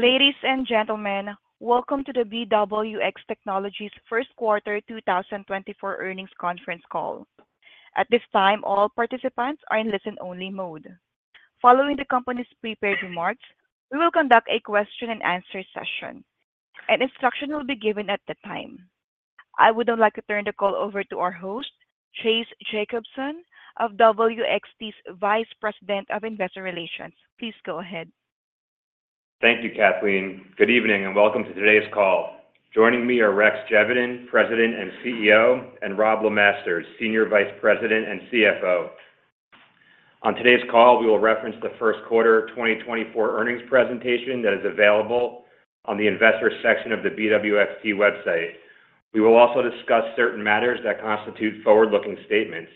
Ladies and gentlemen, welcome to the BWX Technologies Q1 2024 Earnings Conference Call. At this time, all participants are in listen-only mode. Following the company's prepared remarks, we will conduct a question-and-answer session, and instruction will be given at that time. I would now like to turn the call over to our host, Chase Jacobson, of BWX's Vice President of Investor Relations. Please go ahead. Thank you, Kathleen. Good evening and welcome to today's call. Joining me are Rex Geveden, President and CEO, and Robb LeMaster, Senior Vice President and CFO. On today's call, we will reference the Q1 2024 earnings presentation that is available on the investor section of the BWXT website. We will also discuss certain matters that constitute forward-looking statements.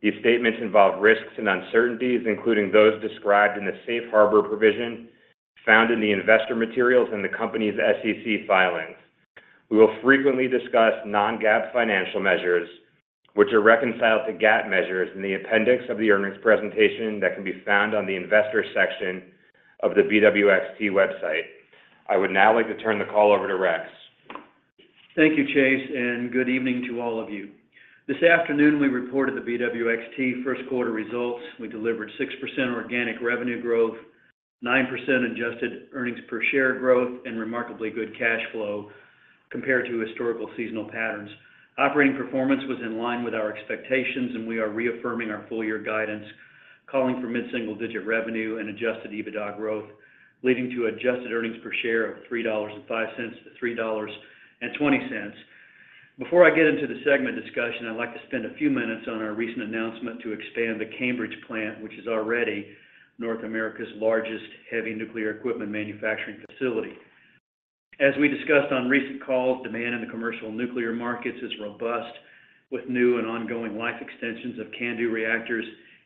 These statements involve risks and uncertainties, including those described in the Safe Harbor provision found in the investor materials and the company's SEC filings. We will frequently discuss non-GAAP financial measures, which are reconciled to GAAP measures, in the appendix of the earnings presentation that can be found on the investor section of the BWXT website. I would now like to turn the call over to Rex. Thank you, Chase, and good evening to all of you. This afternoon, we reported the BWXT Q1 results. We delivered 6% organic revenue growth, 9% adjusted earnings per share growth, and remarkably good cash flow compared to historical seasonal patterns. Operating performance was in line with our expectations, and we are reaffirming our full-year guidance, calling for mid-single-digit revenue and adjusted EBITDA growth, leading to adjusted earnings per share of $3.05 to 3.20. Before I get into the segment discussion, I'd like to spend a few minutes on our recent announcement to expand the Cambridge plant, which is already North America's largest heavy nuclear equipment manufacturing facility. As we discussed on recent calls, demand in the commercial nuclear markets is robust, with new and ongoing life extensions of CANDU reactors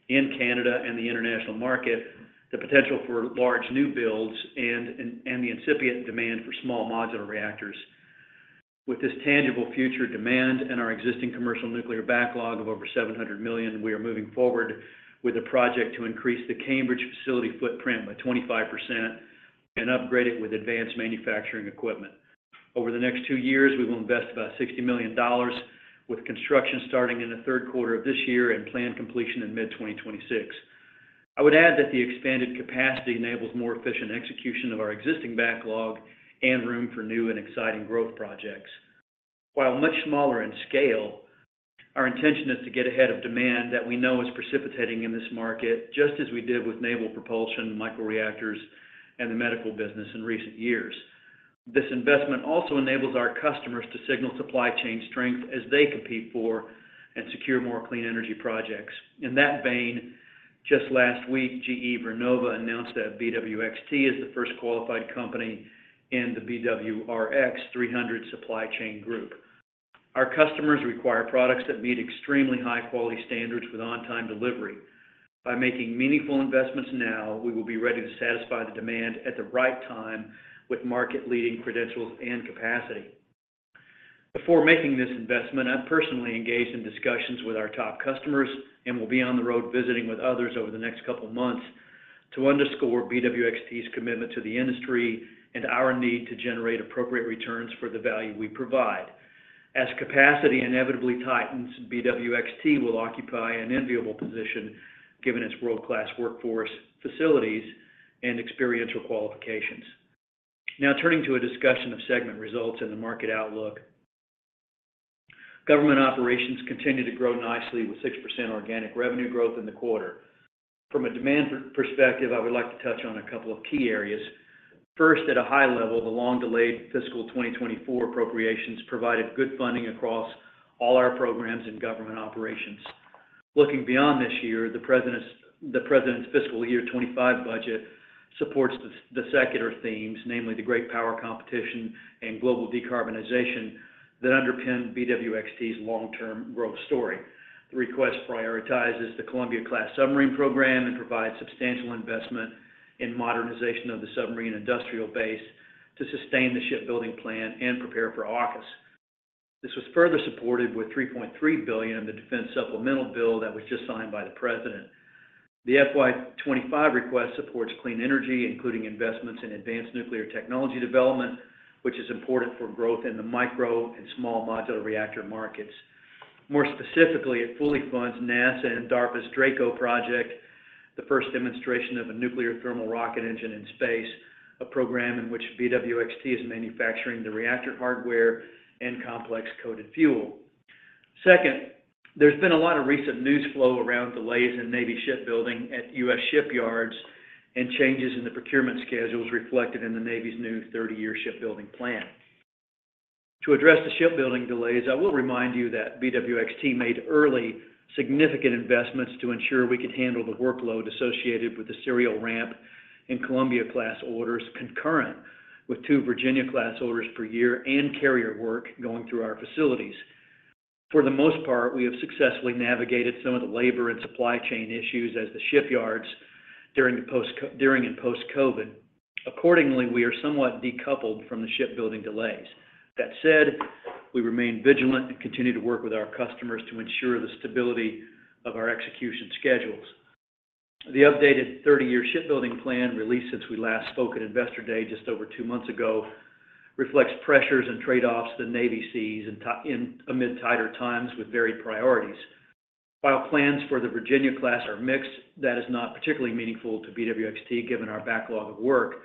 in Canada and the international market, the potential for large new builds, and the incipient demand for small modular reactors. With this tangible future demand and our existing commercial nuclear backlog of over $700 million, we are moving forward with a project to increase the Cambridge facility footprint by 25% and upgrade it with advanced manufacturing equipment. Over the next two years, we will invest about $60 million, with construction starting in the Q3 of this year and planned completion in mid-2026. I would add that the expanded capacity enables more efficient execution of our existing backlog and room for new and exciting growth projects. While much smaller in scale, our intention is to get ahead of demand that we know is precipitating in this market, just as we did with naval propulsion, microreactors, and the medical business in recent years. This investment also enables our customers to signal supply chain strength as they compete for and secure more clean energy projects. In that vein, just last week, GE Vernova announced that BWXT is the first qualified company in the BWRX-300 supply chain group. Our customers require products that meet extremely high-quality standards with on-time delivery. By making meaningful investments now, we will be ready to satisfy the demand at the right time with market-leading credentials and capacity. Before making this investment, I've personally engaged in discussions with our top customers and will be on the road visiting with others over the next couple of months to underscore BWXT's commitment to the industry and our need to generate appropriate returns for the value we provide. As capacity inevitably tightens, BWXT will occupy an enviable position given its world-class workforce, facilities, and experiential qualifications. Now, turning to a discussion of segment results and the market outlook, government operations continue to grow nicely with 6% organic revenue growth in the quarter. From a demand perspective, I would like to touch on a couple of key areas. First, at a high level, the long-delayed fiscal 2024 appropriations provided good funding across all our programs and government operations. Looking beyond this year, the president's fiscal year 2025 budget supports the secular themes, namely the great power competition and global decarbonization that underpin BWXT's long-term growth story. The request prioritizes the Columbia-class submarine program and provides substantial investment in modernization of the submarine industrial base to sustain the shipbuilding plan and prepare for AUKUS. This was further supported with $3.3 billion in the defense supplemental bill that was just signed by the president. The FY 2025 request supports clean energy, including investments in advanced nuclear technology development, which is important for growth in the micro and small modular reactor markets. More specifically, it fully funds NASA and DARPA's DRACO project, the first demonstration of a nuclear thermal rocket engine in space, a program in which BWXT is manufacturing the reactor hardware and complex coated fuel. Second, there's been a lot of recent news flow around delays in Navy shipbuilding at US shipyards and changes in the procurement schedules reflected in the Navy's new 30-year shipbuilding plan. To address the shipbuilding delays, I will remind you that BWXT made early significant investments to ensure we could handle the workload associated with the serial ramp in Columbia-class orders, concurrent with 2 Virginia-class orders per year and carrier work going through our facilities. For the most part, we have successfully navigated some of the labor and supply chain issues as the shipyards during and post-COVID. Accordingly, we are somewhat decoupled from the shipbuilding delays. That said, we remain vigilant and continue to work with our customers to ensure the stability of our execution schedules. The updated 30-year shipbuilding plan, released since we last spoke at Investor Day just over two months ago, reflects pressures and trade-offs the Navy sees amid tighter times with varied priorities. While plans for the Virginia-class are mixed, that is not particularly meaningful to BWXT given our backlog of work,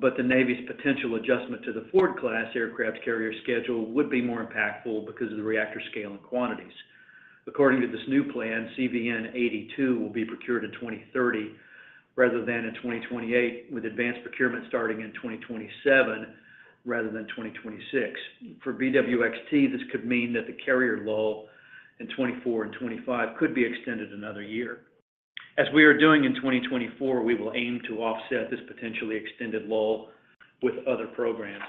but the Navy's potential adjustment to the Ford-class aircraft carrier schedule would be more impactful because of the reactor scale and quantities. According to this new plan, CVN-82 will be procured in 2030 rather than in 2028, with advanced procurement starting in 2027 rather than 2026. For BWXT, this could mean that the carrier lull in 2024 and 2025 could be extended another year. As we are doing in 2024, we will aim to offset this potentially extended lull with other programs.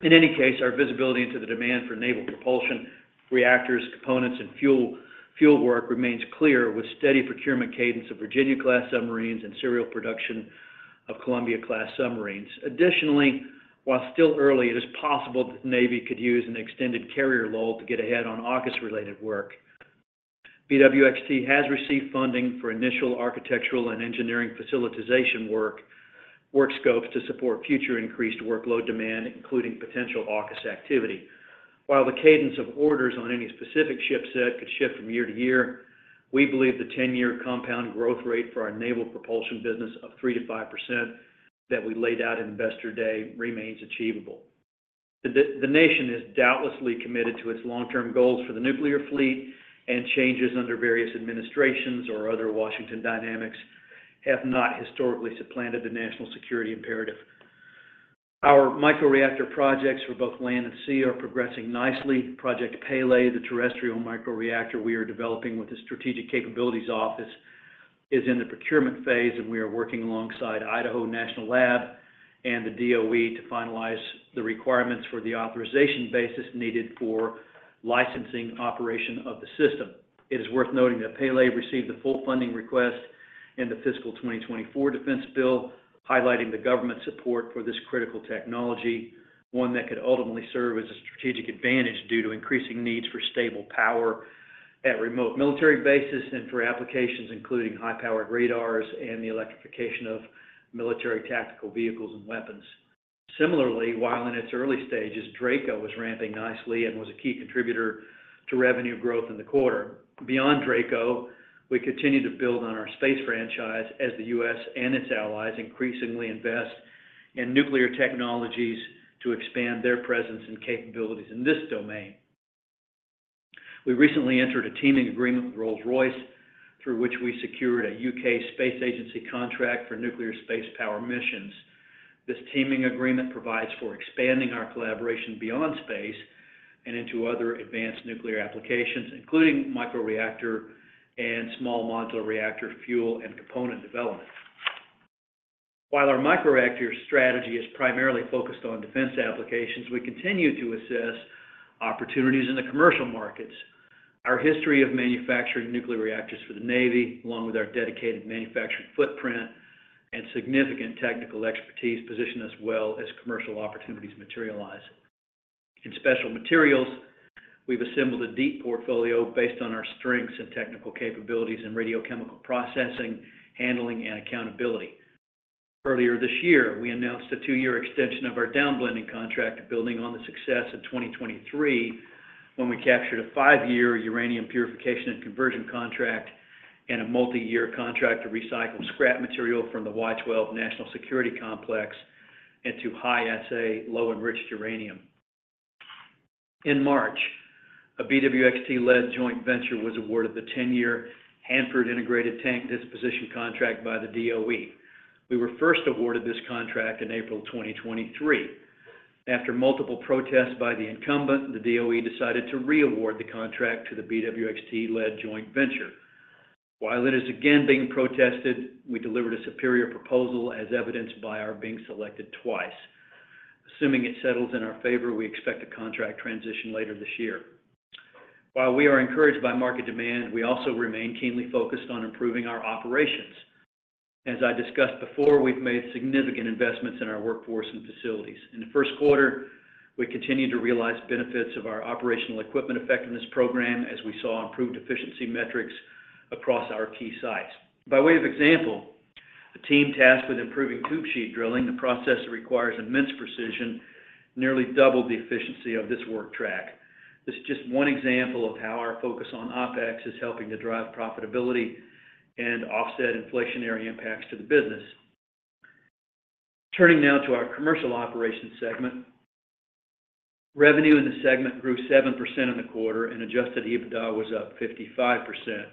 In any case, our visibility into the demand for naval propulsion, reactors, components, and fuel work remains clear, with steady procurement cadence of Virginia-class submarines and serial production of Columbia-class submarines. Additionally, while still early, it is possible that the Navy could use an extended carrier lull to get ahead on AUKUS-related work. BWXT has received funding for initial architectural and engineering facilitization work scopes to support future increased workload demand, including potential AUKUS activity. While the cadence of orders on any specific ship set could shift from year to year, we believe the 10-year compound growth rate for our naval propulsion business of 3%-5% that we laid out in Investor Day remains achievable. The nation is doubtlessly committed to its long-term goals for the nuclear fleet, and changes under various administrations or other Washington dynamics have not historically supplanted the national security imperative. Our microreactor projects for both land and sea are progressing nicely. Project Pele, the terrestrial microreactor we are developing with the Strategic Capabilities Office, is in the procurement phase, and we are working alongside Idaho National Laboratory and the DOE to finalize the requirements for the authorization basis needed for licensing operation of the system. It is worth noting that Pele received the full funding request in the fiscal 2024 defense bill, highlighting the government's support for this critical technology, one that could ultimately serve as a strategic advantage due to increasing needs for stable power at remote military bases and for applications including high-powered radars and the electrification of military tactical vehicles and weapons. Similarly, while in its early stages, DRACO was ramping nicely and was a key contributor to revenue growth in the quarter. Beyond DRACO, we continue to build on our space franchise as the US and its allies increasingly invest in nuclear technologies to expand their presence and capabilities in this domain. We recently entered a teaming agreement with Rolls-Royce, through which we secured a UK Space Agency contract for nuclear space power missions. This teaming agreement provides for expanding our collaboration beyond space and into other advanced nuclear applications, including microreactor and small modular reactor fuel and component development. While our microreactor strategy is primarily focused on defense applications, we continue to assess opportunities in the commercial markets. Our history of manufacturing nuclear reactors for the Navy, along with our dedicated manufacturing footprint and significant technical expertise, positions us well as commercial opportunities materialize. In special materials, we've assembled a deep portfolio based on our strengths in technical capabilities in radiochemical processing, handling, and accountability. Earlier this year, we announced a 2-year extension of our downblending contract, building on the success in 2023 when we captured a 5-year uranium purification and conversion contract and a multi-year contract to recycle scrap material from the Y-12 National Security Complex into high-assay low-enriched uranium. In March, a BWXT-led joint venture was awarded the 10-year Hanford Integrated Tank Disposition contract by the DOE. We were first awarded this contract in April 2023. After multiple protests by the incumbent, the DOE decided to reaward the contract to the BWXT-led joint venture. While it is again being protested, we delivered a superior proposal as evidenced by our being selected twice. Assuming it settles in our favor, we expect a contract transition later this year. While we are encouraged by market demand, we also remain keenly focused on improving our operations. As I discussed before, we've made significant investments in our workforce and facilities. In the Q1, we continue to realize benefits of our Operational Equipment Effectiveness program as we saw improved efficiency metrics across our key sites. By way of example, a team tasked with improving tube sheet drilling, the process that requires immense precision, nearly doubled the efficiency of this work track. This is just one example of how our focus on OEE is helping to drive profitability and offset inflationary impacts to the business. Turning now to our commercial operations segment, revenue in the segment grew 7% in the quarter, and Adjusted EBITDA was up 55%.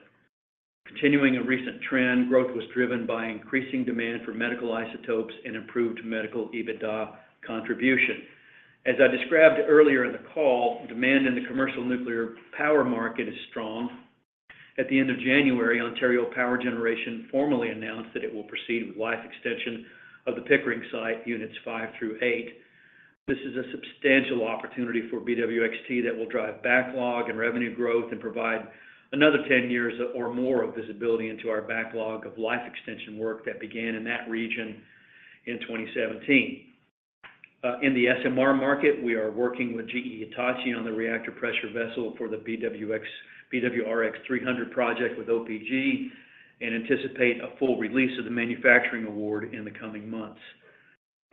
Continuing a recent trend, growth was driven by increasing demand for medical isotopes and improved medical EBITDA contribution. As I described earlier in the call, demand in the commercial nuclear power market is strong. At the end of January, Ontario Power Generation formally announced that it will proceed with life extension of the Pickering site units 5 through 8. This is a substantial opportunity for BWXT that will drive backlog and revenue growth and provide another 10 years or more of visibility into our backlog of life extension work that began in that region in 2017. In the SMR market, we are working with GE Hitachi on the reactor pressure vessel for the BWRX-300 project with OPG and anticipate a full release of the manufacturing award in the coming months.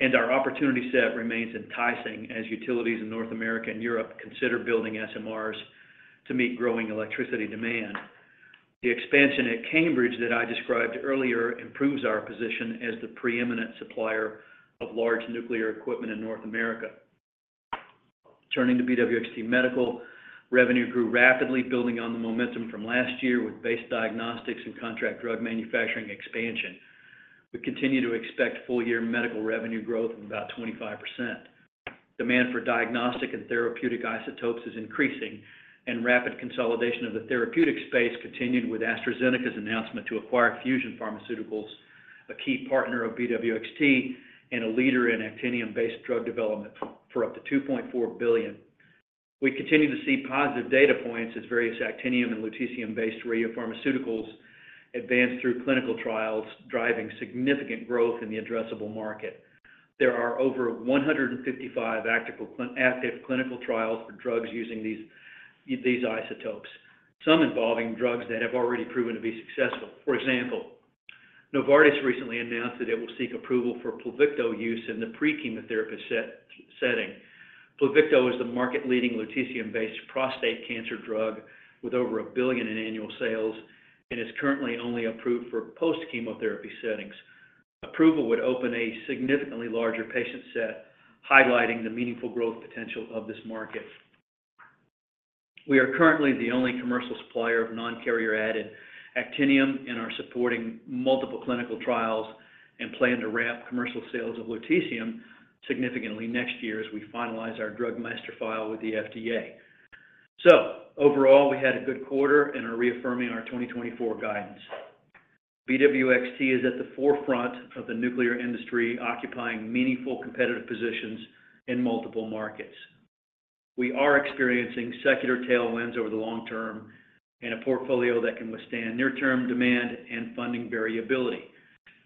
Our opportunity set remains enticing as utilities in North America and Europe consider building SMRs to meet growing electricity demand. The expansion at Cambridge that I described earlier improves our position as the preeminent supplier of large nuclear equipment in North America. Turning to BWXT Medical, revenue grew rapidly, building on the momentum from last year with base diagnostics and contract drug manufacturing expansion. We continue to expect full-year medical revenue growth of about 25%. Demand for diagnostic and therapeutic isotopes is increasing, and rapid consolidation of the therapeutic space continued with AstraZeneca's announcement to acquire Fusion Pharmaceuticals, a key partner of BWXT and a leader in actinium-based drug development, for up to $2.4 billion. We continue to see positive data points as various actinium and lutetium-based radiopharmaceuticals advance through clinical trials, driving significant growth in the addressable market. There are over 155 active clinical trials for drugs using these isotopes, some involving drugs that have already proven to be successful. For example, Novartis recently announced that it will seek approval for Pluvicto use in the pre-chemotherapy setting. Pluvicto is the market-leading lutetium-based prostate cancer drug with over $1 billion in annual sales and is currently only approved for post-chemotherapy settings. Approval would open a significantly larger patient set, highlighting the meaningful growth potential of this market. We are currently the only commercial supplier of non-carrier added actinium and are supporting multiple clinical trials and plan to ramp commercial sales of lutetium significantly next year as we finalize our Drug Master File with the FDA. So overall, we had a good quarter and are reaffirming our 2024 guidance. BWXT is at the forefront of the nuclear industry, occupying meaningful competitive positions in multiple markets. We are experiencing secular tailwinds over the long term and a portfolio that can withstand near-term demand and funding variability.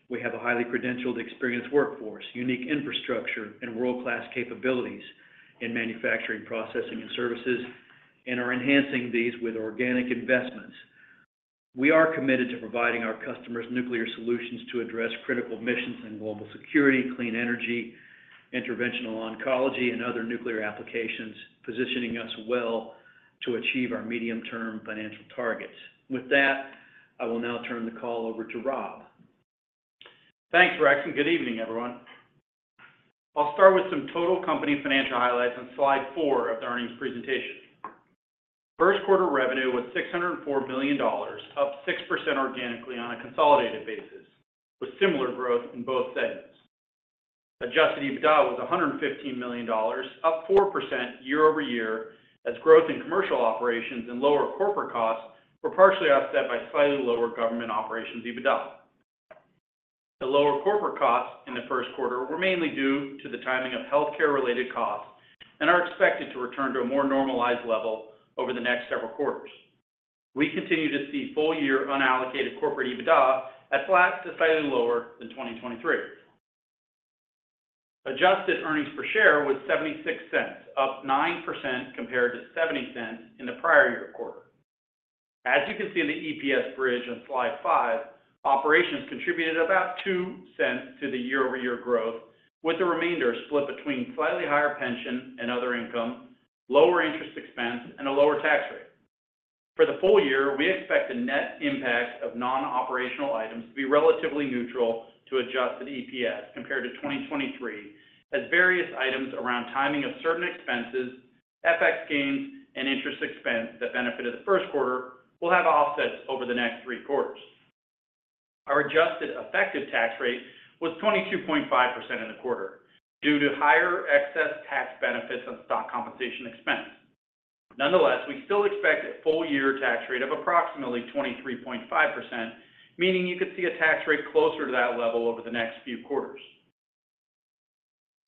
We have a highly credentialed, experienced workforce, unique infrastructure, and world-class capabilities in manufacturing, processing, and services, and are enhancing these with organic investments. We are committed to providing our customers nuclear solutions to address critical missions in global security, clean energy, interventional oncology, and other nuclear applications, positioning us well to achieve our medium-term financial targets. With that, I will now turn the call over to Robb. Thanks, Rex. Good evening, everyone. I'll start with some total company financial highlights on slide 4 of the earnings presentation. Q1 revenue was $604 million, up 6% organically on a consolidated basis, with similar growth in both segments. Adjusted EBITDA was $115 million, up 4% year-over-year as growth in commercial operations and lower corporate costs were partially offset by slightly lower government operations EBITDA. The lower corporate costs in the Q1 were mainly due to the timing of healthcare-related costs and are expected to return to a more normalized level over the next several quarters. We continue to see full-year unallocated corporate EBITDA at flat to slightly lower than 2023. Adjusted earnings per share was $0.76, up 9% compared to $0.70 in the prior year quarter. As you can see in the EPS bridge on slide five, operations contributed about $0.02 to the year-over-year growth, with the remainder split between slightly higher pension and other income, lower interest expense, and a lower tax rate. For the full year, we expect a net impact of non-operational items to be relatively neutral to adjusted EPS compared to 2023, as various items around timing of certain expenses, FX gains, and interest expense that benefited the Q1 will have offsets over the next three quarters. Our adjusted effective tax rate was 22.5% in the quarter due to higher excess tax benefits on stock compensation expense. Nonetheless, we still expect a full-year tax rate of approximately 23.5%, meaning you could see a tax rate closer to that level over the next few quarters.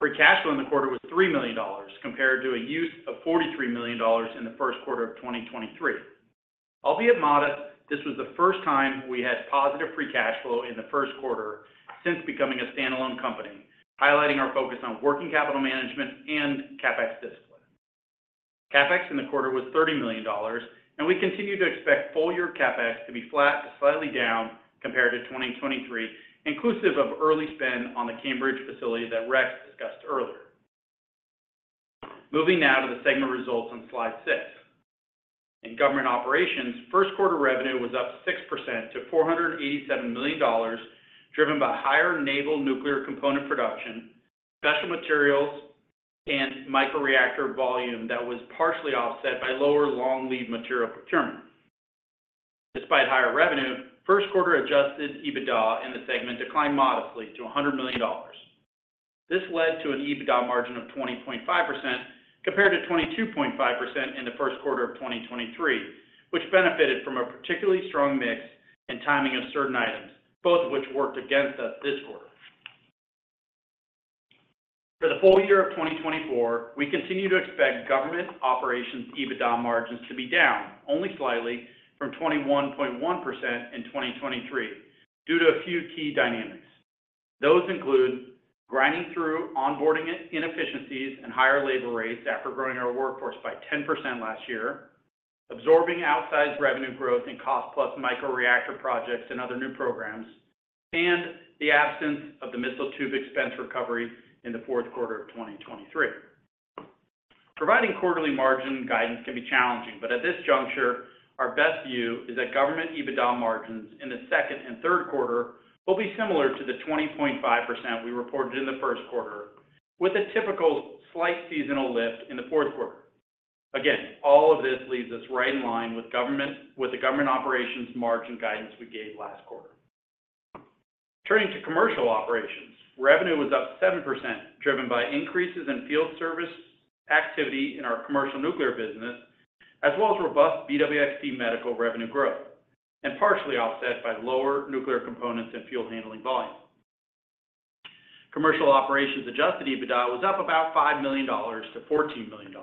Free cash flow in the quarter was $3 million compared to a use of $43 million in the Q1 of 2023. Albeit modest, this was the first time we had positive free cash flow in the Q1 since becoming a standalone company, highlighting our focus on working capital management and CapEx discipline. CapEx in the quarter was $30 million, and we continue to expect full-year CapEx to be flat to slightly down compared to 2023, inclusive of early spend on the Cambridge facility that Rex discussed earlier. Moving now to the segment results on slide 6. In government operations, Q1 revenue was up 6% to $487 million, driven by higher naval nuclear component production, special materials, and microreactor volume that was partially offset by lower long-lead material procurement. Despite higher revenue, Q1 adjusted EBITDA in the segment declined modestly to $100 million. This led to an EBITDA margin of 20.5% compared to 22.5% in the Q1 of 2023, which benefited from a particularly strong mix and timing of certain items, both of which worked against us this quarter. For the full year of 2024, we continue to expect government operations EBITDA margins to be down, only slightly, from 21.1% in 2023 due to a few key dynamics. Those include grinding through onboarding inefficiencies and higher labor rates after growing our workforce by 10% last year, absorbing outsized revenue growth in cost-plus microreactor projects and other new programs, and the absence of the missile tube expense recovery in the Q4 of 2023. Providing quarterly margin guidance can be challenging, but at this juncture, our best view is that government EBITDA margins in the second and Q3 will be similar to the 20.5% we reported in the Q1, with a typical slight seasonal lift in the Q4. Again, all of this leaves us right in line with the government operations margin guidance we gave last quarter. Turning to commercial operations, revenue was up 7%, driven by increases in field service activity in our commercial nuclear business as well as robust BWXT Medical revenue growth, and partially offset by lower nuclear components and fuel handling volume. Commercial operations adjusted EBITDA was up about $5 to 14 million.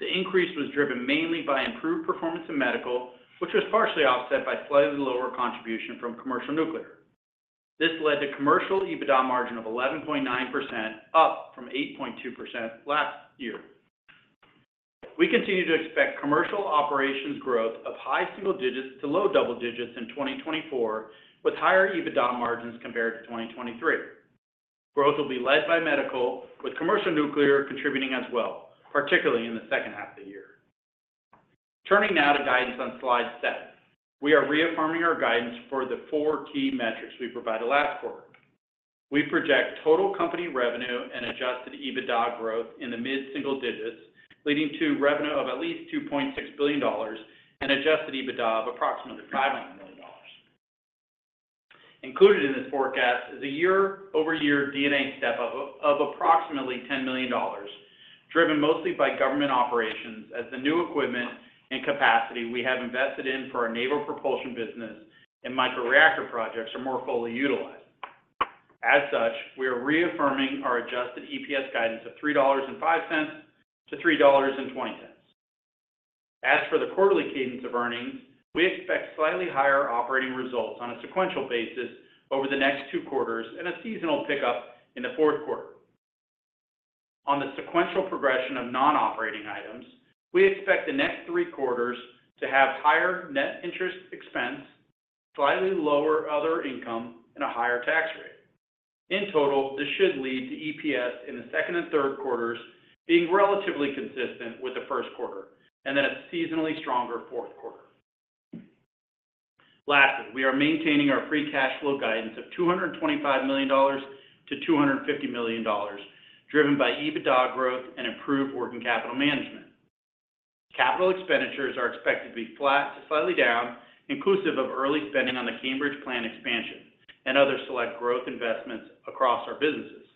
The increase was driven mainly by improved performance in medical, which was partially offset by slightly lower contribution from commercial nuclear. This led to commercial EBITDA margin of 11.9%, up from 8.2% last year. We continue to expect commercial operations growth of high single digits to low double digits in 2024, with higher EBITDA margins compared to 2023. Growth will be led by medical, with commercial nuclear contributing as well, particularly in the second half of the year. Turning now to guidance on slide 7. We are reaffirming our guidance for the four key metrics we provided last quarter. We project total company revenue and adjusted EBITDA growth in the mid-single digits, leading to revenue of at least $2.6 billion and adjusted EBITDA of approximately $5 million. Included in this forecast is a year-over-year EBITDA step of approximately $10 million, driven mostly by government operations as the new equipment and capacity we have invested in for our naval propulsion business and microreactor projects are more fully utilized. As such, we are reaffirming our adjusted EPS guidance of $3.05 to 3.20. As for the quarterly cadence of earnings, we expect slightly higher operating results on a sequential basis over the next two quarters and a seasonal pickup in the Q4. On the sequential progression of non-operating items, we expect the next three quarters to have higher net interest expense, slightly lower other income, and a higher tax rate. In total, this should lead to EPS in the second and Q3s being relatively consistent with the Q1 and then a seasonally stronger Q4. Lastly, we are maintaining our free cash flow guidance of $225 to 250 million, driven by EBITDA growth and improved working capital management. Capital expenditures are expected to be flat to slightly down, inclusive of early spending on the Cambridge plant expansion and other select growth investments across our businesses.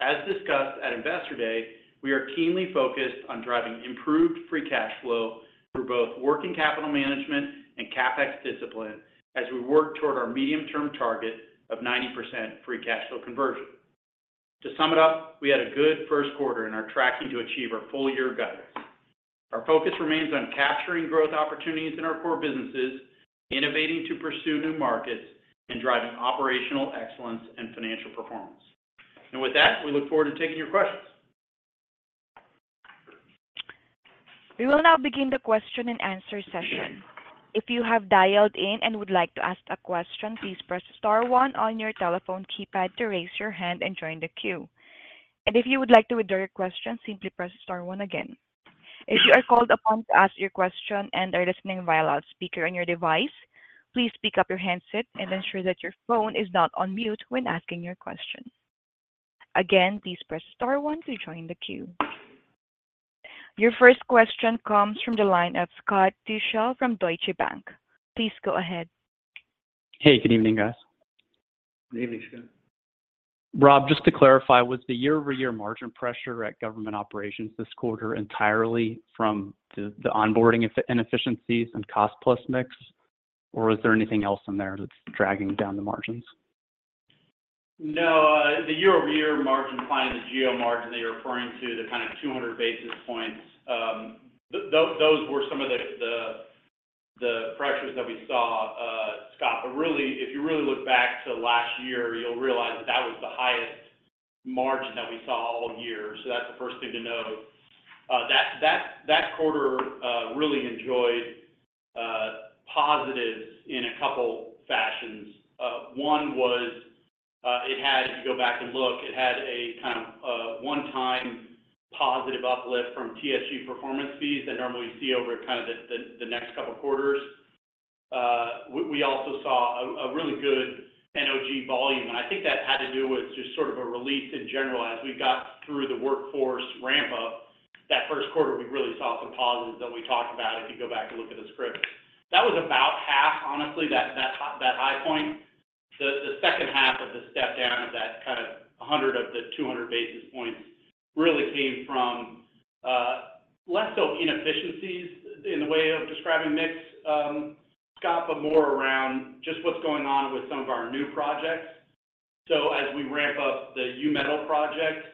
As discussed at Investor Day, we are keenly focused on driving improved free cash flow through both working capital management and CapEx discipline as we work toward our medium-term target of 90% free cash flow conversion. To sum it up, we had a good Q1 and are tracking to achieve our full-year guidance. Our focus remains on capturing growth opportunities in our core businesses, innovating to pursue new markets, and driving operational excellence and financial performance. And with that, we look forward to taking your questions. We will now begin the question-and-answer session. If you have dialed in and would like to ask a question, please press star 1 on your telephone keypad to raise your hand and join the queue. And if you would like to withdraw your question, simply press star one again. If you are called upon to ask your question and are listening via loudspeaker on your device, please pick up your handset and ensure that your phone is not on mute when asking your question. Again, please press star one to join the queue. Your first question comes from the line of Scott Deuschle from Deutsche Bank. Please go ahead. Hey. Good evening, guys. Good evening, Scott. Robb, just to clarify, was the year-over-year margin pressure at government operations this quarter entirely from the onboarding inefficiencies and cost-plus mix, or was there anything else in there that's dragging down the margins? No. The year-over-year margin, fine, the GO margin that you're referring to, the kind of 200 basis points, those were some of the pressures that we saw, Scott. But really, if you really look back to last year, you'll realize that that was the highest margin that we saw all year. So that's the first thing to note. That quarter really enjoyed positives in a couple fashions. One was, if you go back and look, it had a kind of one-time positive uplift from TSG performance fees that normally you see over kind of the next couple quarters. We also saw a really good NOG volume. And I think that had to do with just sort of a release in general as we got through the workforce ramp-up. That Q1, we really saw some positives that we talked about if you go back and look at the script. That was about half, honestly, that high point. The second half of the step down of that kind of 100 of the 200 basis points really came from less so inefficiencies in the way of describing mix, Scott, but more around just what's going on with some of our new projects. So as we ramp up the U-Metal project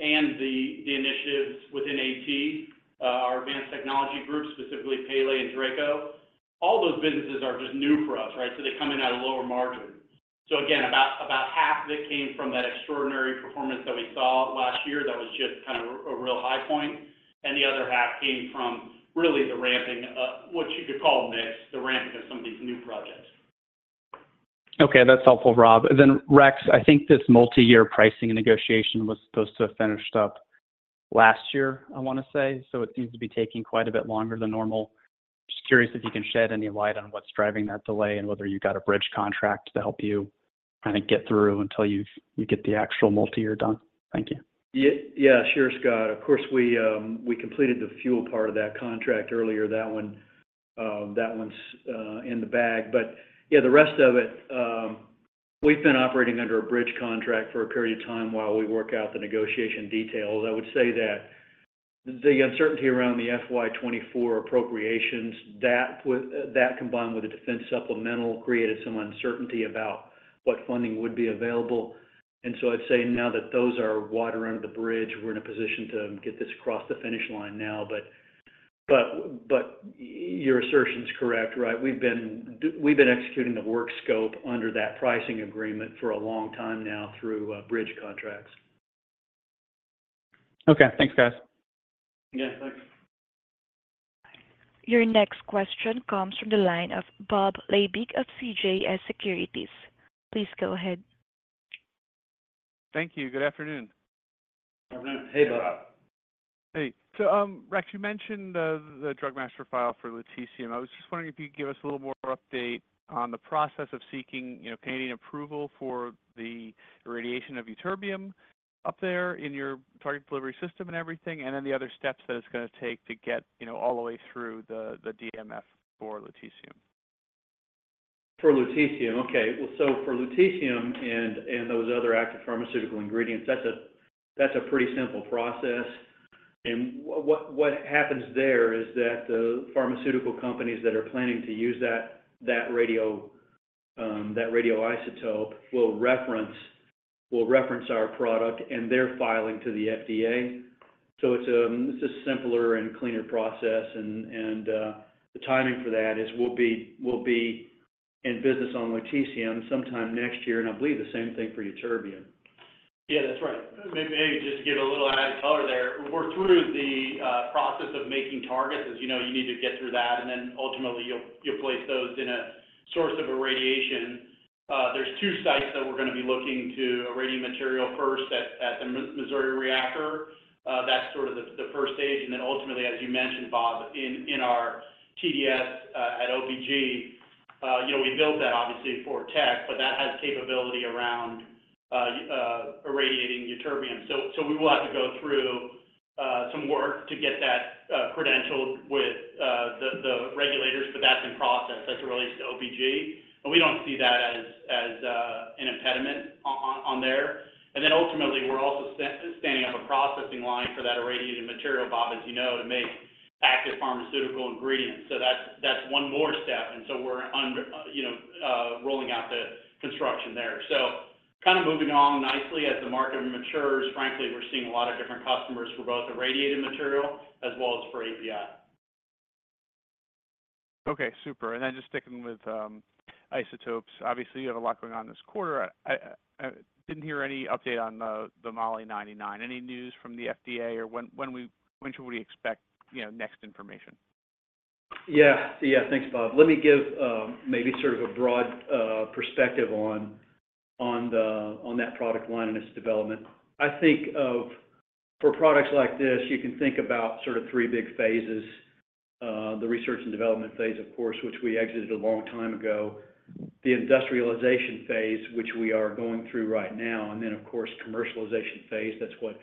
and the initiatives within AT, our advanced technology group, specifically Pele and DRACO, all those businesses are just new for us, right? So they come in at a lower margin. So again, about half of it came from that extraordinary performance that we saw last year that was just kind of a real high point. And the other half came from really the ramping, what you could call mix, the ramping of some of these new projects. Okay. That's helpful, Robb. Then, Rex, I think this multi-year pricing negotiation was supposed to have finished up last year, I want to say. So it seems to be taking quite a bit longer than normal. Just curious if you can shed any light on what's driving that delay and whether you got a bridge contract to help you kind of get through until you get the actual multi-year done. Thank you. Yeah. Sure, Scott. Of course, we completed the fuel part of that contract earlier. That one's in the bag. But yeah, the rest of it, we've been operating under a bridge contract for a period of time while we work out the negotiation details. I would say that the uncertainty around the FY 2024 appropriations, that combined with the defense supplemental created some uncertainty about what funding would be available. And so I'd say now that those are water under the bridge, we're in a position to get this across the finish line now. But your assertion's correct, right? We've been executing the work scope under that pricing agreement for a long time now through bridge contracts. Okay. Thanks, guys. Yeah. Thanks. Your next question comes from the line of Bob Labick of CJS Securities. Please go ahead. Thank you. Good afternoon. Hey, Bob. Hey. So, Rex, you mentioned the Drug Master File for lutetium. I was just wondering if you could give us a little more update on the process of seeking Canadian approval for the irradiation of ytterbium up there in your target delivery system and everything, and then the other steps that it's going to take to get all the way through the DMF for lutetium. For lutetium. Okay. Well, so for lutetium and those other active pharmaceutical ingredients, that's a pretty simple process. And what happens there is that the pharmaceutical companies that are planning to use that radioisotope will reference our product, and they're filing to the FDA. So it's a simpler and cleaner process. And the timing for that is we'll be in business on lutetium sometime next year, and I believe the same thing for ytterbium. Yeah. That's right. Maybe just to give it a little added color there, we're through the process of making targets. As you know, you need to get through that, and then ultimately, you'll place those in a source of irradiation. There's two sites that we're going to be looking to: irradiating material first at the Missouri reactor. That's sort of the first stage. And then ultimately, as you mentioned, Bob, in our TDS at OPG, we built that, obviously, for Tc, but that has capability around irradiating ytterbium. So we will have to go through some work to get that credentialed with the regulators, but that's in process as it relates to OPG. And we don't see that as an impediment on there. And then ultimately, we're also standing up a processing line for that irradiated material, Bob, as you know, to make active pharmaceutical ingredients. So that's one more step. And so we're rolling out the construction there. So kind of moving on nicely, as the market matures, frankly, we're seeing a lot of different customers for both irradiated material as well as for API. Okay. Super. And then just sticking with isotopes, obviously, you have a lot going on this quarter. I didn't hear any update on the Mo-99. Any news from the FDA, or when should we expect next information? Yeah. Yeah. Thanks, Bob. Let me give maybe sort of a broad perspective on that product line and its development. I think for products like this, you can think about sort of three big phases: the research and development phase, of course, which we exited a long time ago. The industrialization phase, which we are going through right now, and then, of course, commercialization phase. That's what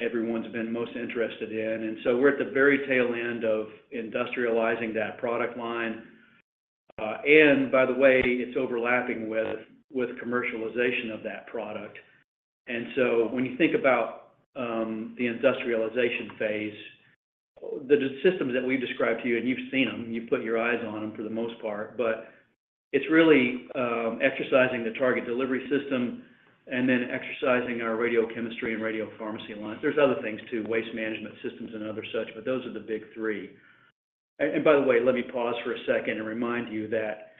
everyone's been most interested in. And so we're at the very tail end of industrializing that product line. And by the way, it's overlapping with commercialization of that product. And so when you think about the industrialization phase, the systems that we've described to you, and you've seen them. You've put your eyes on them for the most part. But it's really exercising the target delivery system and then exercising our radiochemistry and radiopharmacy lines. There's other things too, waste management systems and other such, but those are the big three. And by the way, let me pause for a second and remind you that,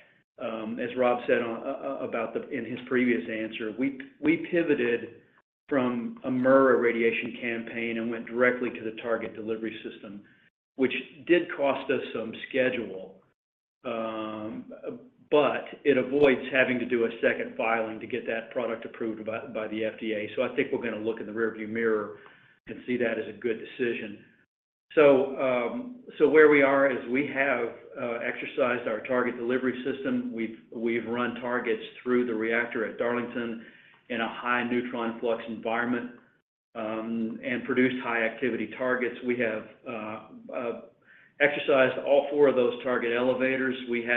as Robb said in his previous answer, we pivoted from a MURR irradiation campaign and went directly to the target delivery system, which did cost us some schedule, but it avoids having to do a second filing to get that product approved by the FDA. So I think we're going to look in the rearview mirror and see that as a good decision. So where we are is we have exercised our target delivery system. We've run targets through the reactor at Darlington in a high neutron flux environment and produced high-activity targets. We have exercised all four of those target elevators. We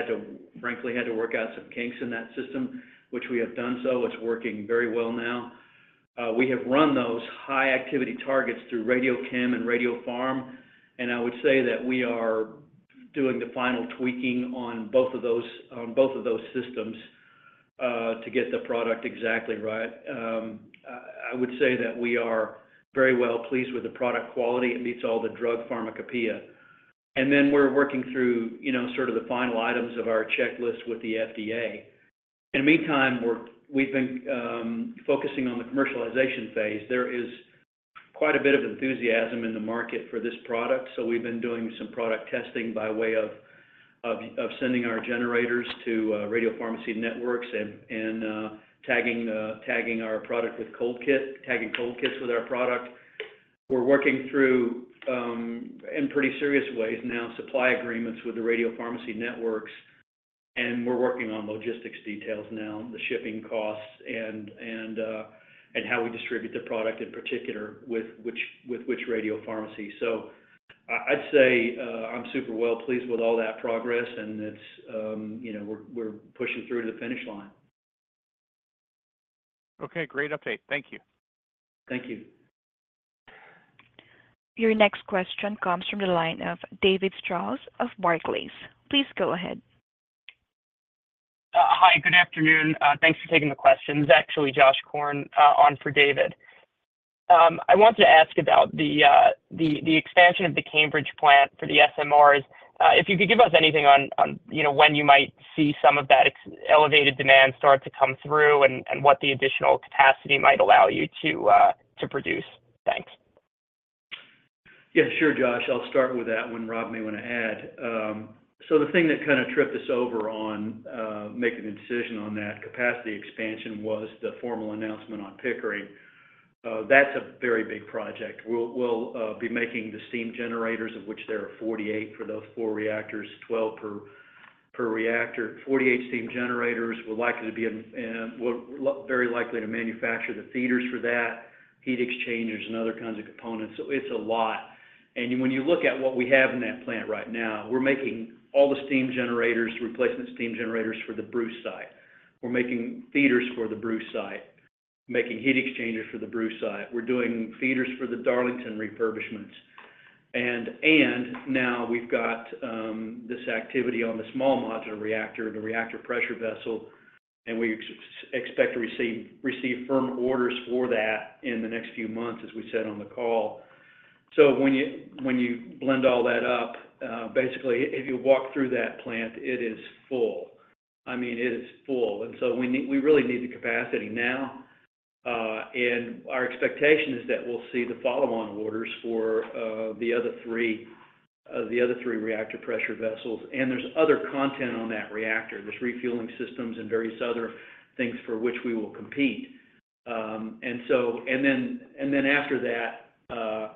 frankly had to work out some kinks in that system, which we have done so. It's working very well now. We have run those high-activity targets through Radiochem and Radiofarm. I would say that we are doing the final tweaking on both of those systems to get the product exactly right. I would say that we are very well pleased with the product quality. It meets all the drug pharmacopeia. Then we're working through sort of the final items of our checklist with the FDA. In the meantime, we've been focusing on the commercialization phase. There is quite a bit of enthusiasm in the market for this product. We've been doing some product testing by way of sending our generators to radiopharmacy networks and tagging our product with cold kits, tagging cold kits with our product. We're working through, in pretty serious ways now, supply agreements with the radiopharmacy networks. We're working on logistics details now, the shipping costs, and how we distribute the product in particular with which radiopharmacy. So I'd say I'm super well pleased with all that progress, and we're pushing through to the finish line. Okay. Great update. Thank you. Thank you. Your next question comes from the line of David Strauss of Barclays. Please go ahead. Hi. Good afternoon. Thanks for taking the question. Actually, Josh Korn on for David. I wanted to ask about the expansion of the Cambridge plant for the SMRs. If you could give us anything on when you might see some of that elevated demand start to come through and what the additional capacity might allow you to produce. Thanks. Yeah. Sure, Josh. I'll start with that when Robb may want to add. The thing that kind of tripped us over on making the decision on that capacity expansion was the formal announcement on Pickering. That's a very big project. We'll be making the steam generators, of which there are 48 for those 4 reactors, 12 per reactor. 48 steam generators. We're likely to be very likely to manufacture the feeders for that, heat exchangers, and other kinds of components. So it's a lot. And when you look at what we have in that plant right now, we're making all the steam generators, replacement steam generators for the Bruce site. We're making feeders for the Bruce site, making heat exchangers for the Bruce site. We're doing feeders for the Darlington refurbishments. And now we've got this activity on the small modular reactor, the reactor pressure vessel, and we expect to receive firm orders for that in the next few months, as we said on the call. So when you blend all that up, basically, if you walk through that plant, it is full. I mean, it is full. And so we really need the capacity now. And our expectation is that we'll see the follow-on orders for the other three reactor pressure vessels. And there's other content on that reactor. There's refueling systems and various other things for which we will compete. And then after that,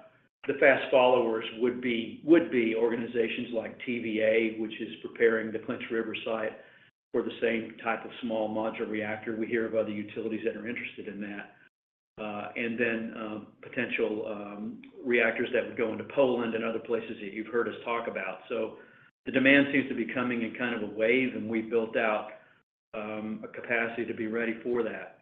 the fast followers would be organizations like TVA, which is preparing the Clinch River site for the same type of small modular reactor. We hear of other utilities that are interested in that, and then potential reactors that would go into Poland and other places that you've heard us talk about. So the demand seems to be coming in kind of a wave, and we've built out a capacity to be ready for that.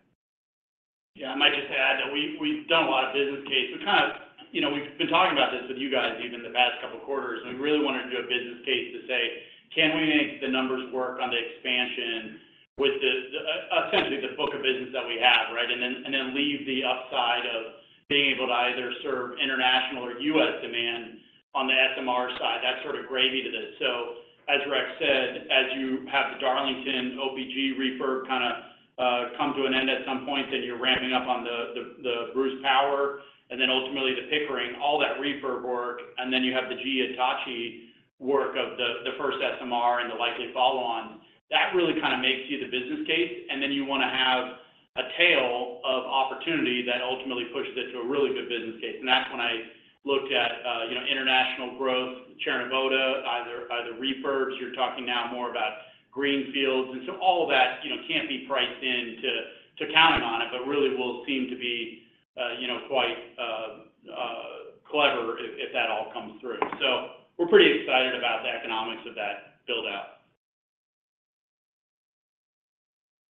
Yeah. I might just add that we've done a lot of business case. We've kind of been talking about this with you guys even the past couple quarters. And we really wanted to do a business case to say, "Can we make the numbers work on the expansion with essentially the book of business that we have, right, and then leave the upside of being able to either serve international or US demand on the SMR side?" That's sort of gravy to this. So as Rex said, as you have the Darlington, OPG refurb kind of come to an end at some point, then you're ramping up on the Bruce Power, and then ultimately, the Pickering, all that refurb work, and then you have the GE Hitachi work of the first SMR and the likely follow-ons, that really kind of makes you the business case. And then you want to have a tail of opportunity that ultimately pushes it to a really good business case. And that's when I looked at international growth, Cernavoda, either refurbs. You're talking now more about greenfields. And so all of that can't be priced into counting on it, but really will seem to be quite clever if that all comes through. So we're pretty excited about the economics of that buildout.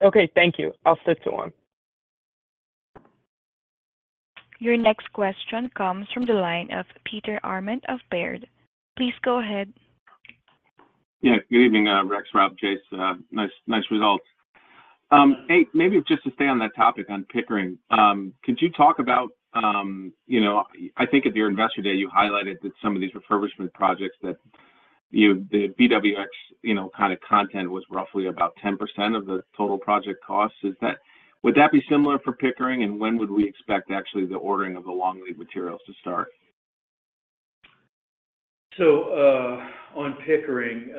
Okay. Thank you. I'll stick to one. Your next question comes from the line of Peter Arment of Baird. Please go ahead. Yeah. Good evening, Rex, Robb, Chase. Nice results. Hey, maybe just to stay on that topic on Pickering, could you talk about I think at your investor day, you highlighted that some of these refurbishment projects, that the BWXT kind of content was roughly about 10% of the total project cost. Would that be similar for Pickering, and when would we expect actually the ordering of the long lead materials to start? So on Pickering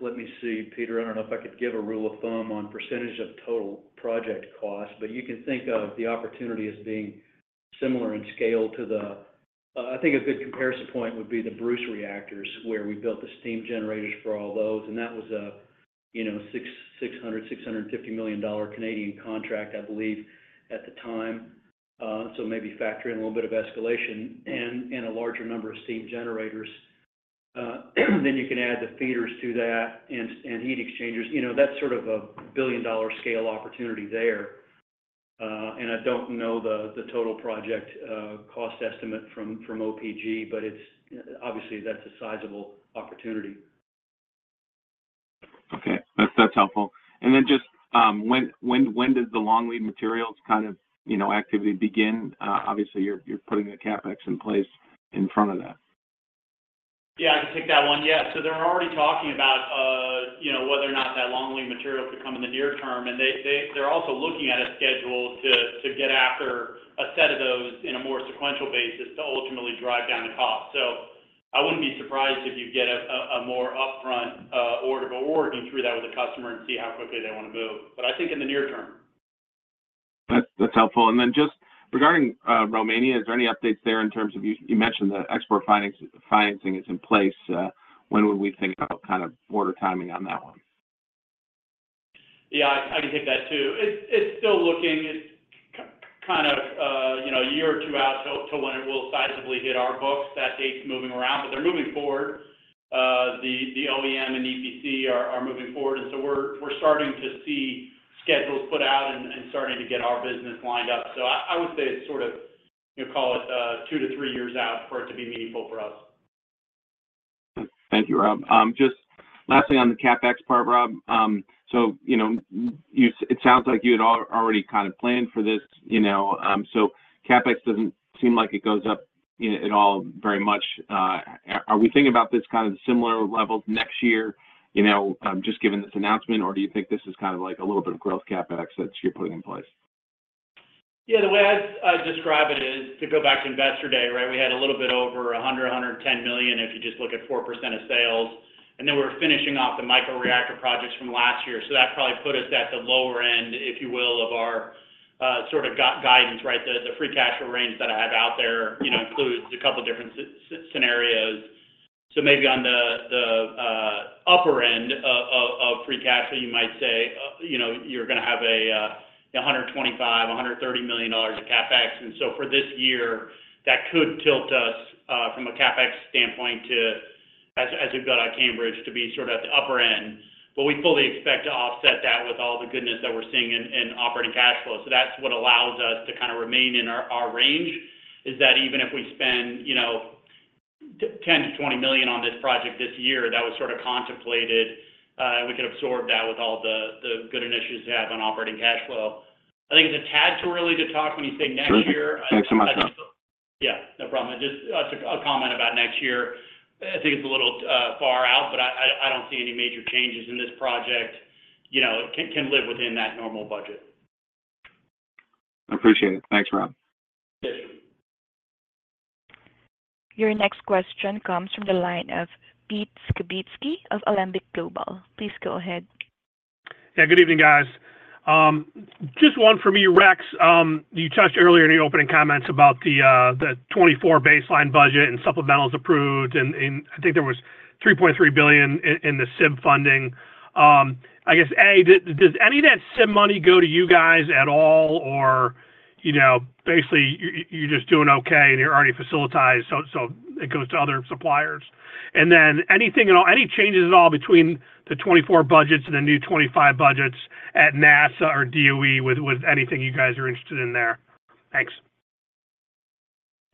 let me see, Peter. I don't know if I could give a rule of thumb on percentage of total project cost, but you can think of the opportunity as being similar in scale to the I think a good comparison point would be the Bruce reactors, where we built the steam generators for all those. And that was a 600 to 650 million contract, I believe, at the time. So maybe factor in a little bit of escalation and a larger number of steam generators. Then you can add the feeders to that and heat exchangers. That's sort of a billion-dollar scale opportunity there. And I don't know the total project cost estimate from OPG, but obviously, that's a sizable opportunity. Okay. That's helpful. And then just when does the long lead materials kind of activity begin? Obviously, you're putting the CapEx in place in front of that. Yeah. I can take that one. Yeah. So they're already talking about whether or not that long lead material could come in the near term. And they're also looking at a schedule to get after a set of those in a more sequential basis to ultimately drive down the cost. So I wouldn't be surprised if you get a more upfront order. But we're working through that with the customer and see how quickly they want to move, but I think in the near term. That's helpful. And then just regarding Romania, is there any updates there in terms of you mentioned the export financing is in place? When would we think about kind of order timing on that one? Yeah. I can take that too. It's still looking kind of a year or two out to when it will sizably hit our books. That date's moving around, but they're moving forward. The OEM and EPC are moving forward. And so we're starting to see schedules put out and starting to get our business lined up. So I would say it's sort of call it two to three years out for it to be meaningful for us. Thank you, Robb. Just last thing on the CapEx part, Robb. So it sounds like you had already kind of planned for this. So CapEx doesn't seem like it goes up at all very much. Are we thinking about this kind of similar levels next year, just given this announcement, or do you think this is kind of like a little bit of growth CapEx that you're putting in place? Yeah. The way I describe it is to go back to investor day, right, we had a little bit over $100 to 110 million if you just look at 4% of sales. And then we were finishing off the microreactor projects from last year. So that probably put us at the lower end, if you will, of our sort of guidance, right? The free cash flow range that I have out there includes a couple of different scenarios. So maybe on the upper end of free cash flow, you might say you're going to have a $125 to 130 million of CapEx. And so for this year, that could tilt us from a CapEx standpoint to, as we've got at Cambridge, to be sort of at the upper end. But we fully expect to offset that with all the goodness that we're seeing in operating cash flow. So that's what allows us to kind of remain in our range, is that even if we spend $10 to 20 million on this project this year, that was sort of contemplated, and we could absorb that with all the good initiatives we have on operating cash flow. I think it's a tad too early to talk when you say next year. Thanks so much, Robb. Yeah. No problem. Just a comment about next year. I think it's a little far out, but I don't see any major changes in this project. It can live within that normal budget. I appreciate it. Thanks, Robb. Your next question comes from the line of Pete Skibitsky of Alembic Global. Please go ahead. Yeah. Good evening, guys. Just one for me, Rex. You touched earlier in your opening comments about the 2024 baseline budget and supplementals approved. And I think there was $3.3 billion in the SIB funding. I guess, A, does any of that SIB money go to you guys at all, or basically, you're just doing okay, and you're already facilitized, so it goes to other suppliers? And then any changes at all between the 2024 budgets and the new 2025 budgets at NASA or DOE with anything you guys are interested in there? Thanks.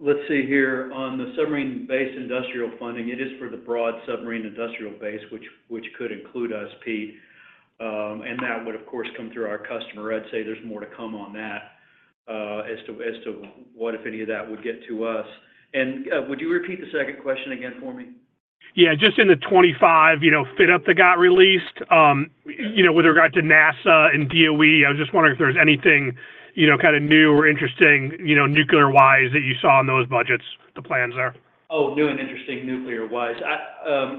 Let's see here. On the submarine base industrial funding, it is for the broad submarine industrial base, which could include us, Pete. And that would, of course, come through our customer. I'd say there's more to come on that as to what, if any, of that would get to us. And would you repeat the second question again for me? Yeah. Just in the 2025 FY that got released with regard to NASA and DOE, I was just wondering if there was anything kind of new or interesting nuclear-wise that you saw in those budgets, the plans there? Oh, new and interesting nuclear-wise?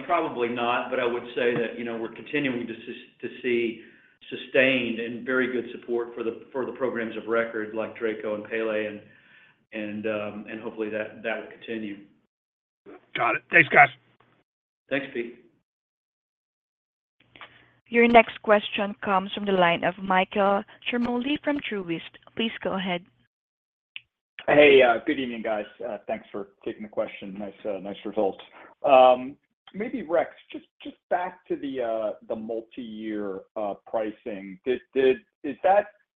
Probably not, but I would say that we're continuing to see sustained and very good support for the programs of record like DRACO and Pele. And hopefully, that will continue. Got it. Thanks, guys. Thanks, Pete. Your next question comes from the line of Michael Ciarmoli from Truist. Please go ahead. Hey. Good evening, guys. Thanks for taking the question. Nice results. Maybe, Rex, just back to the multi-year pricing.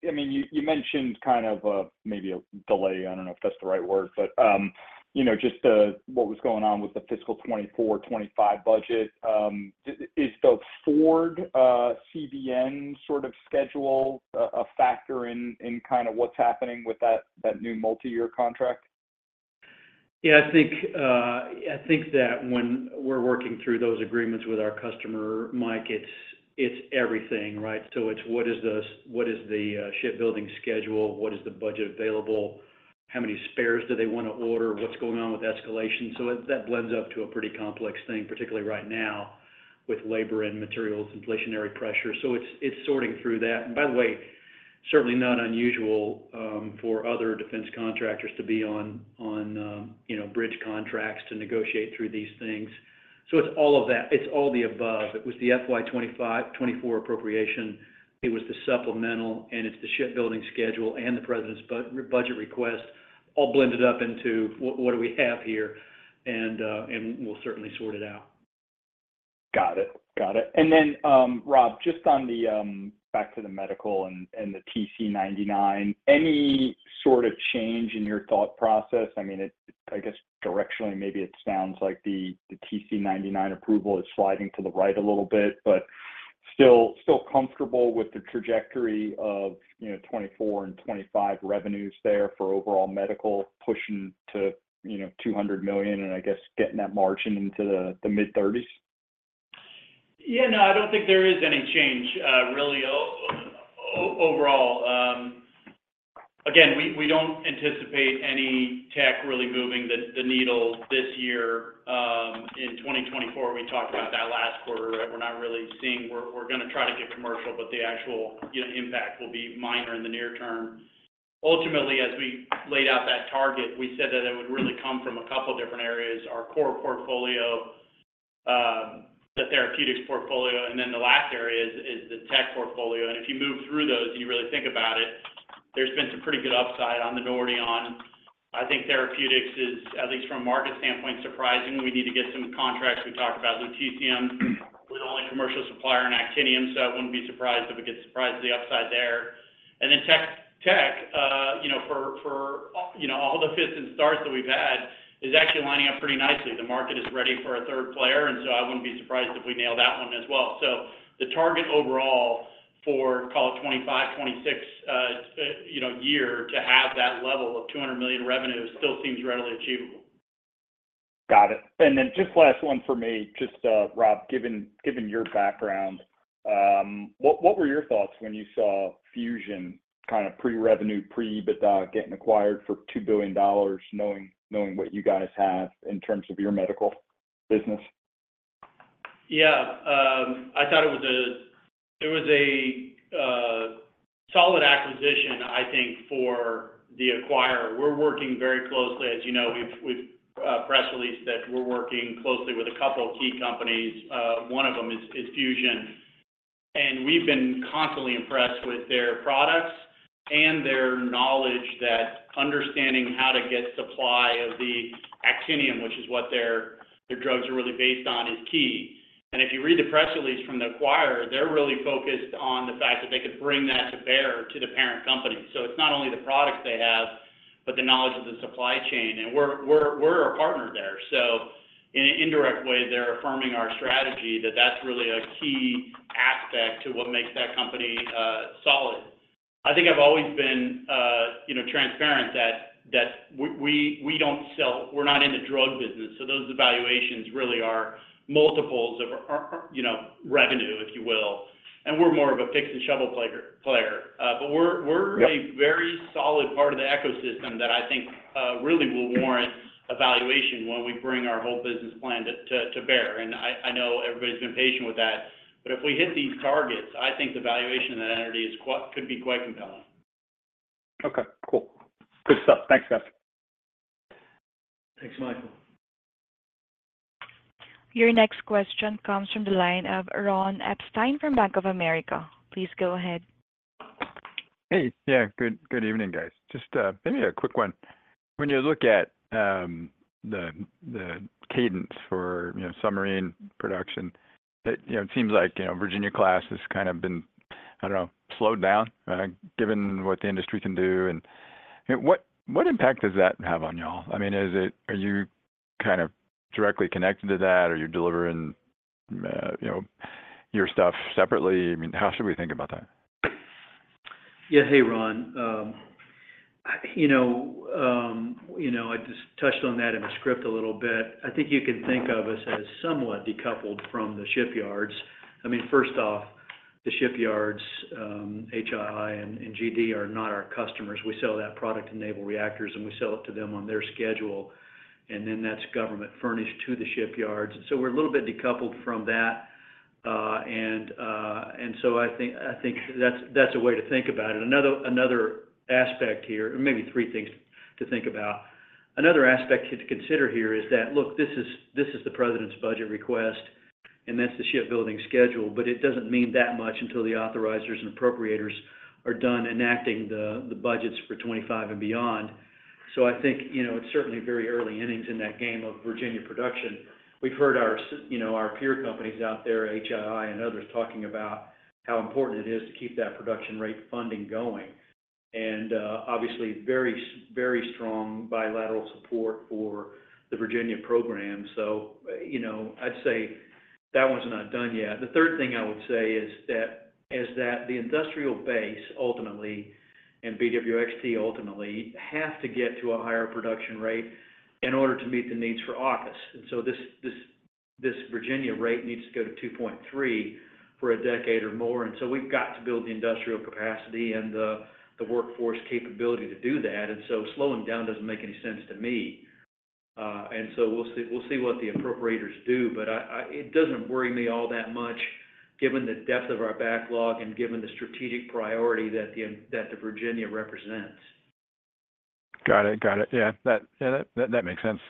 I mean, you mentioned kind of maybe a delay. I don't know if that's the right word, but just what was going on with the fiscal 2024, 2025 budget. Is the Ford CVN sort of schedule a factor in kind of what's happening with that new multi-year contract? Yeah. I think that when we're working through those agreements with our customer, Mike, it's everything, right? So it's what is the shipbuilding schedule? What is the budget available? How many spares do they want to order? What's going on with escalation? So that blends up to a pretty complex thing, particularly right now with labor and materials, inflationary pressure. So it's sorting through that. And by the way, certainly not unusual for other defense contractors to be on bridge contracts to negotiate through these things. So it's all of that. It's all the above. It was the FY24 appropriation. It was the supplemental. And it's the shipbuilding schedule and the president's budget request all blended up into what do we have here? And we'll certainly sort it out. Got it. Got it. And then, Robb, just back to the medical and the TC99, any sort of change in your thought process? I mean, I guess directionally, maybe it sounds like the TC99 approval is sliding to the right a little bit, but still comfortable with the trajectory of 2024 and 2025 revenues there for overall medical pushing to $200 million and, I guess, getting that margin into the mid-30s%? Yeah. No. I don't think there is any change really overall. Again, we don't anticipate any tech really moving the needle this year. In 2024, we talked about that last quarter, right? We're not really seeing we're going to try to get commercial, but the actual impact will be minor in the near term. Ultimately, as we laid out that target, we said that it would really come from a couple of different areas: our core portfolio, the therapeutics portfolio, and then the last area is the tech portfolio. And if you move through those and you really think about it, there's been some pretty good upside on the Nordion. I think therapeutics is, at least from a market standpoint, surprising. We need to get some contracts. We talked about lutetium with the only commercial supplier in Actinium. So I wouldn't be surprised if we get surprised at the upside there. And then tech, for all the fits and starts that we've had, is actually lining up pretty nicely. The market is ready for a third player, and so I wouldn't be surprised if we nail that one as well. So the target overall for, call it, 2025, 2026 year to have that level of $200 million revenue still seems readily achievable. Got it. And then just last one for me, just Robb, given your background, what were your thoughts when you saw Fusion kind of pre-revenue, pre-EBITDA getting acquired for $2 billion, knowing what you guys have in terms of your medical business? Yeah. I thought it was a solid acquisition, I think, for the acquirer. We're working very closely. As you know, we've press-released that we're working closely with a couple of key companies. One of them is Fusion. We've been constantly impressed with their products and their knowledge that understanding how to get supply of the Actinium, which is what their drugs are really based on, is key. If you read the press release from the acquirer, they're really focused on the fact that they could bring that to bear to the parent company. So it's not only the products they have, but the knowledge of the supply chain. And we're a partner there. So in an indirect way, they're affirming our strategy that that's really a key aspect to what makes that company solid. I think I've always been transparent that we don't sell. We're not in the drug business. So those evaluations really are multiples of revenue, if you will. And we're more of a picks-and-shovel player. But we're a very solid part of the ecosystem that I think really will warrant evaluation when we bring our whole business plan to bear. And I know everybody's been patient with that. But if we hit these targets, I think the valuation of that entity could be quite compelling. Okay. Cool. Good stuff. Thanks, guys. Thanks, Michael. Your next question comes from the line of Ron Epstein from Bank of America. Please go ahead. Hey. Yeah. Good evening, guys. Just maybe a quick one. When you look at the cadence for submarine production, it seems like Virginia-class has kind of been, I don't know, slowed down given what the industry can do. And what impact does that have on y'all? I mean, are you kind of directly connected to that, or are you delivering your stuff separately? I mean, how should we think about that? Yeah. Hey, Ron. I just touched on that in the script a little bit. I think you can think of us as somewhat decoupled from the shipyards. I mean, first off, the shipyards, HII and GD, are not our customers. We sell that product to Naval Reactors, and we sell it to them on their schedule. And then that's government furnished to the shipyards. So we're a little bit decoupled from that. And so I think that's a way to think about it. Another aspect here and maybe three things to think about. Another aspect to consider here is that, look, this is the president's budget request, and that's the shipbuilding schedule. But it doesn't mean that much until the authorizers and appropriators are done enacting the budgets for 2025 and beyond. So I think it's certainly very early innings in that game of Virginia production. We've heard our peer companies out there, HII and others, talking about how important it is to keep that production rate funding going and, obviously, very strong bilateral support for the Virginia program. So I'd say that one's not done yet. The third thing I would say is that the industrial base, ultimately, and BWXT, ultimately, have to get to a higher production rate in order to meet the needs for AUKUS. And so this Virginia rate needs to go to 2.3 for a decade or more. And so we've got to build the industrial capacity and the workforce capability to do that. And so slowing down doesn't make any sense to me. And so we'll see what the appropriators do. But it doesn't worry me all that much given the depth of our backlog and given the strategic priority that the Virginia represents. Got it. Got it. Yeah. Yeah. That makes sense.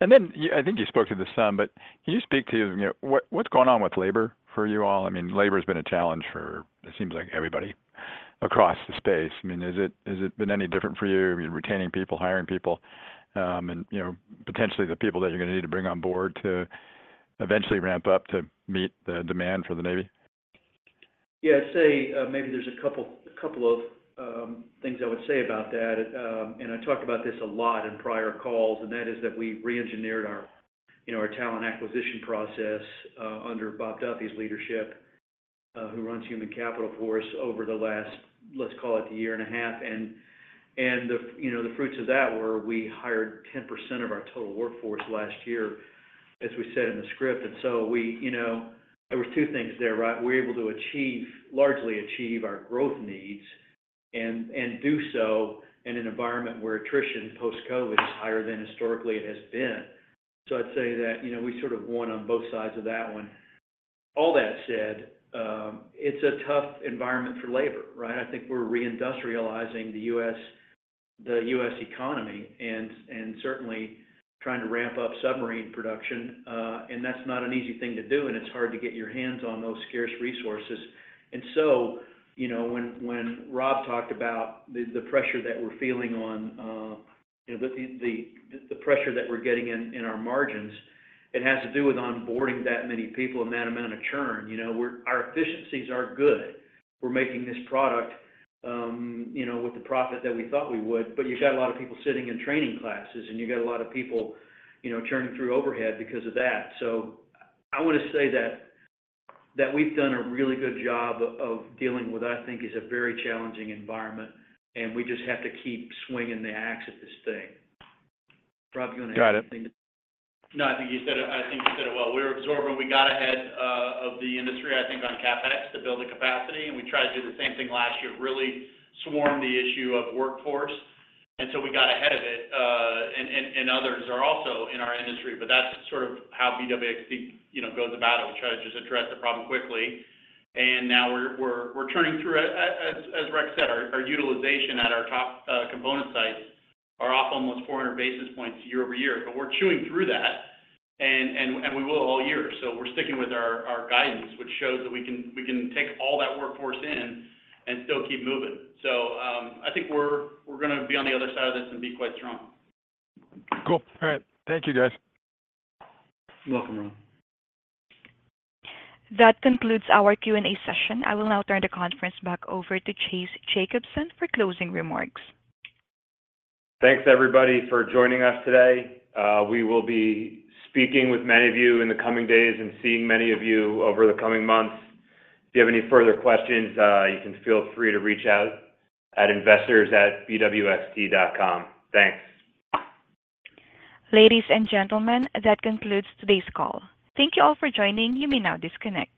And then I think you spoke to this some, but can you speak to what's going on with labor for you all? I mean, labor has been a challenge for, it seems like, everybody across the space. I mean, has it been any different for you, I mean, retaining people, hiring people, and potentially the people that you're going to need to bring on board to eventually ramp up to meet the demand for the Navy? Yeah. I'd say maybe there's a couple of things I would say about that. And I talked about this a lot in prior calls, and that is that we re-engineered our talent acquisition process under Bob Duffy's leadership, who runs Human Capital for us, over the last, let's call it, a year and a half. And the fruits of that were, we hired 10% of our total workforce last year, as we said in the script. And so there were two things there, right? We were able to largely achieve our growth needs and do so in an environment where attrition post-COVID is higher than historically it has been. So I'd say that we sort of won on both sides of that one. All that said, it's a tough environment for labor, right? I think we're re-industrializing the US economy and certainly trying to ramp up submarine production. And that's not an easy thing to do, and it's hard to get your hands on those scarce resources. And so when Robb talked about the pressure that we're feeling on the pressure that we're getting in our margins, it has to do with onboarding that many people and that amount of churn. Our efficiencies are good. We're making this product with the profit that we thought we would. But you've got a lot of people sitting in training classes, and you've got a lot of people churning through overhead because of that. So I want to say that we've done a really good job of dealing with, I think, a very challenging environment. And we just have to keep swinging the axe at this thing. Robb, you want to add something to that? Got it. No. I think you said it, I think you said it well. We're absorbing. We got ahead of the industry, I think, on CapEx to build the capacity. And we tried to do the same thing last year, really swarm the issue of workforce. And so we got ahead of it. And others are also in our industry. But that's sort of how BWXT goes about it. We try to just address the problem quickly. And now we're churning through. As Rex said, our utilization at our top component sites are off almost 400 basis points year-over-year. But we're chewing through that, and we will all year. So we're sticking with our guidance, which shows that we can take all that workforce in and still keep moving. So I think we're going to be on the other side of this and be quite strong. Cool. All right. Thank you, guys. You're welcome, Ron. That concludes our Q&A session. I will now turn the conference back over to Chase Jacobson for closing remarks. Thanks, everybody, for joining us today. We will be speaking with many of you in the coming days and seeing many of you over the coming months. If you have any further questions, you can feel free to reach out at investors@bwxt.com. Thanks. Ladies and gentlemen, that concludes today's call. Thank you all for joining. You may now disconnect.